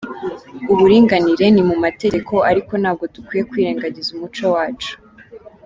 Uburinganire ni mu mategeko ariko ntabwo dukwiye kwirengangiza umuco wacu”.